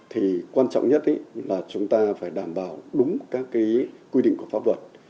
thì quan trọng nhất là chúng ta phải đảm bảo đúng các quy định của pháp luật